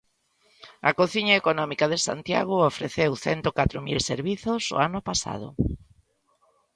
A Cociña Económica de Santiago ofreceu cento catro mil servizos o ano pasado.